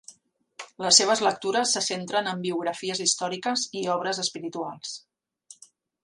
Les seves lectures se centren en biografies històriques i obres espirituals.